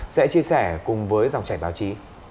sẽ chia sẻ cùng với dòng trải báo chí